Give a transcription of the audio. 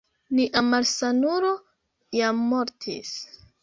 Nia malsanulo jam mortis